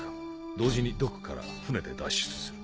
同時にドックから船で脱出する。